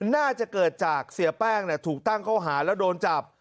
น่าจะเกิดจากเสียแป้งถูกตั้งข้อหาแล้วโดนจับ